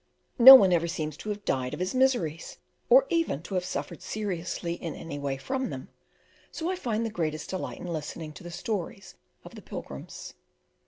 No one ever seems to have died of his miseries, or even to have suffered seriously in any way from them, so I find the greatest delight in listening to the stories of the Pilgrims.